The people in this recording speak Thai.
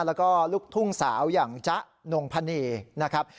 แล้วก็ลูกทุ่งสาวอย่างจ๊ะนงพนีนะครับ